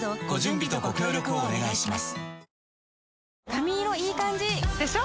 髪色いい感じ！でしょ？